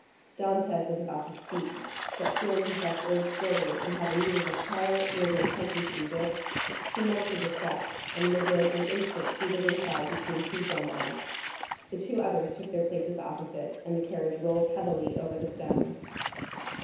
Dantès was about to speak; but feeling himself urged forward, and having neither the power nor the intention to resist, he mounted the steps, and was in an instant seated inside between two gendarmes; the two others took their places opposite, and the carriage rolled heavily over the stones.